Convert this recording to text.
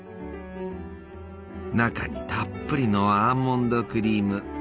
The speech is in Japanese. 中にたっぷりのアーモンドクリーム。